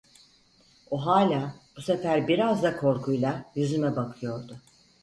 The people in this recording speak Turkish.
O hâlâ, bu sefer biraz da korkuyla, yüzüme bakıyordu.